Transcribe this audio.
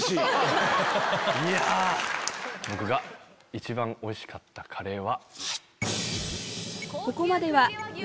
僕が一番おいしかったカレーは。